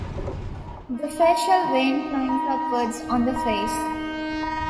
The facial vein climbs upwards on the face.